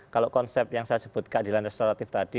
kalau konsep yang saya sebut keadilan restoratif tadi